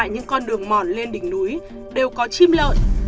những con đường mòn lên đỉnh núi đều có chim lợn